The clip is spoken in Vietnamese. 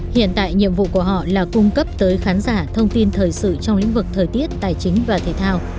hiện tại nhiệm vụ của họ là cung cấp tới khán giả thông tin thời sự trong lĩnh vực thời tiết tài chính và thể thao